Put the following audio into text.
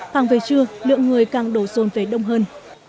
càng về trưa lượng người càng đổ xôn về đông hơn